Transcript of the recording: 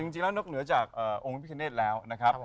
จริงแล้วนอกเหนือจากองค์พิคเนธแล้วนะครับ